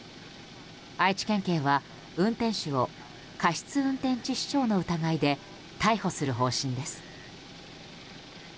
愛知県警は運転手を過失運転致死傷の疑いで逮捕する方針です。